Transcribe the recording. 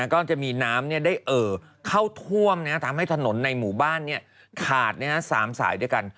ก็จะมีน้ำได้เอ่อเข้าท่วมทำให้ถนนในหมู่บ้านขาด๓สายด้วยกัน